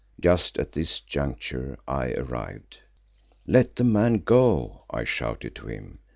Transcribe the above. Just at this juncture I arrived. "Let the man go," I shouted to him.